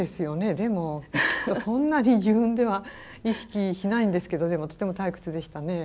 でもそんなに自分では意識しないんですけどでもとても退屈でしたね。